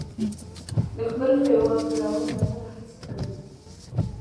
د خپل هیواد جوړونې لپاره هڅې کوي.